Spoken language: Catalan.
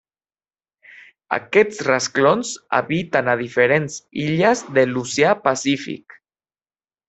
Aquests rasclons habiten a diferents illes de l'Oceà Pacífic.